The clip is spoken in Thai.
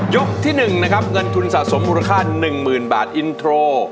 ที่๑นะครับเงินทุนสะสมมูลค่า๑๐๐๐บาทอินโทร